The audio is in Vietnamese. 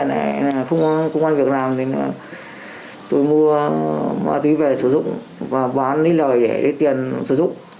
tái nghiện là không có công an việc làm tôi mua ma túy về sử dụng và bán lấy lời để tiền sử dụng